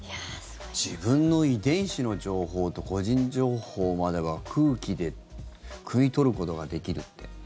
自分の遺伝子の情報と個人情報までが空気で食い取ることができるって。